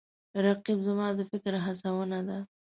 رقیب زما د فکر هڅونه ده